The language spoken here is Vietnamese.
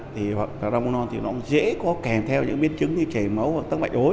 thì rong non thì nó dễ có kèm theo những biến chứng như chảy máu và tắc mạch ối